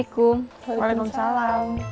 di flashing aja ya